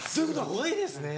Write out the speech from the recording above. すごいですね！